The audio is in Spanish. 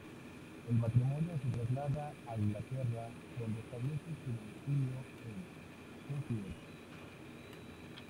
El matrimonio se traslada a Inglaterra, donde establece su domicilio en Sheffield.